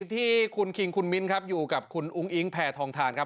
ที่คุณคิงคุณมิ้นครับอยู่กับคุณอุ้งอิงแผ่ทองทานครับ